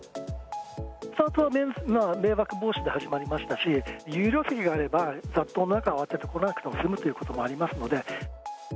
スタートは迷惑防止で始まりましたし、有料席があれば、雑踏の中、慌てて来なくても済むということがありますので。